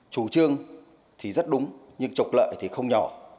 chủ trương thì rất đúng nhưng trục lợi thì không nhỏ